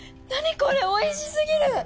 これおいしすぎる！